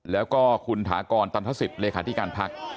แล้วก็คุณถากรตันทศิษย์เลขาธิการพัก